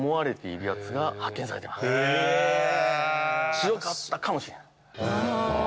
強かったかもしれない。